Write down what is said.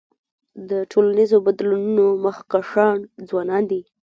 د ټولنیزو بدلونونو مخکښان ځوانان دي.